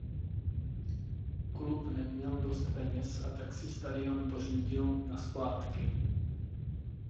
Klub neměl dost peněz a tak si stadión pořídil na splátky.